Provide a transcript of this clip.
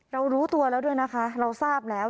รู้ตัวแล้วด้วยนะคะเราทราบแล้ว